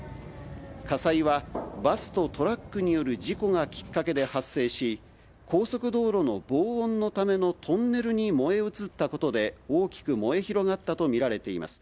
火災はバスとトラックによる事故がきっかけで発生し、高速道路の防音のためのトンネルに燃え移ったことで、大きく燃え広がったと見られています。